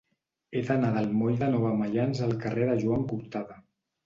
He d'anar del moll de la Nova Maians al carrer de Joan Cortada.